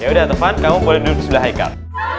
yaudah tepan kamu boleh duduk sebelah ikat